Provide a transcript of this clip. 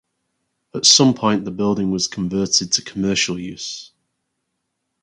At some point the building was converted to commercial use.